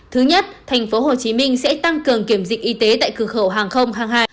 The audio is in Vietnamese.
thứ nhất thành phố hồ chí minh sẽ tăng cường kiểm dịch y tế tại cửa khẩu hàng không hàng hai